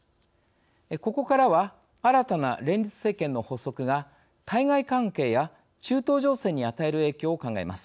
ここからは新たな連立政権の発足が対外関係や中東情勢に与える影響を考えます。